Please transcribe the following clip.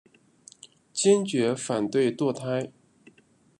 坚决反对堕胎。